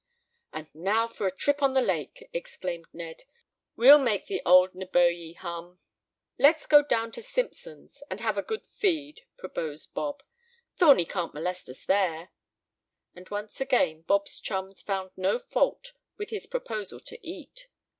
"And now for a trip on the lake!" exclaimed Ned. "We'll make the old Neboje hum!" "Let's go down to Simpson's and have a good feed!" proposed Bob. "Thorny can't molest us there." And once again Bob's chums found no fault with his proposal to eat.